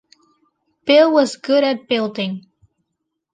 Bil was good at building.